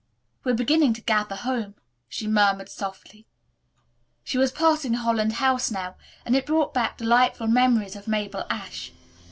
"We're beginning to gather home," she murmured softly. She was passing Holland House now, and it brought back delightful memories of Mabel Ashe.